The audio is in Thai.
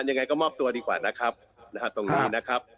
ยังไงก็มอบตัวดีกว่านะครับตรงนี้นะครับ